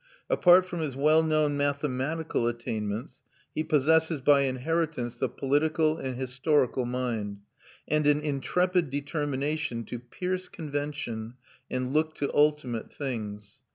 Apart from his well known mathematical attainments, he possesses by inheritance the political and historical mind, and an intrepid determination to pierce convention and look to ultimate things.